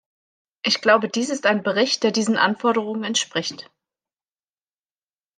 Ich glaube, dies ist ein Bericht, der diesen Anforderungen entspricht.